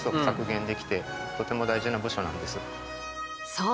そう！